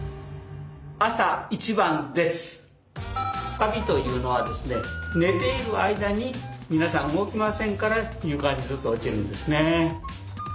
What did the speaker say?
カビというのはですね寝ている間に皆さん動きませんから床にずっと落ちるんですね。